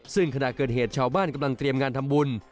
ซึ่งขณะเกิดเหตุชาวบ้านกำลังเตรียมงานทำบุญ